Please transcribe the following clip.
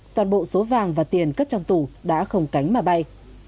toàn bộ số vàng và tiền cất trong tủ đã không cánh mà bay